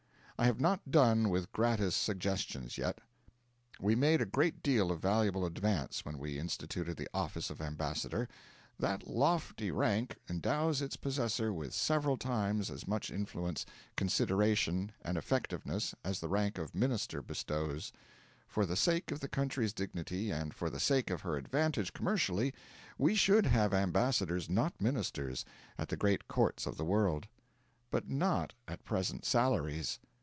I have not done with gratis suggestions yet. We made a great deal of valuable advance when we instituted the office of ambassador. That lofty rank endows its possessor with several times as much influence, consideration, and effectiveness as the rank of minister bestows. For the sake of the country's dignity and for the sake of her advantage commercially, we should have ambassadors, not ministers, at the great courts of the world. But not at present salaries!